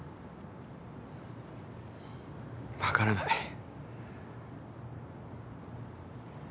分からない。